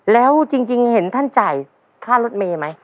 แล้วจริงเห็นท่านจ่ายค่ารถเมย์ไหม